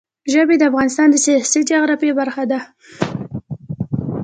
ژبې د افغانستان د سیاسي جغرافیه برخه ده.